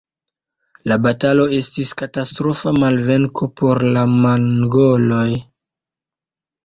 La batalo estis katastrofa malvenko por la mongoloj.